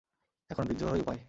এখন, বিদ্রোহই উপায়!